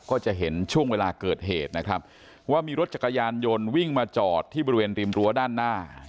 ก็จะเห็นช่วงเวลาเกิดเหตุนะครับว่ามีรถจักรยานยนต์วิ่งมาจอดที่บริเวณริมรั้วด้านหน้า